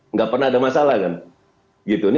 nggak pernah ada masalah kan gitu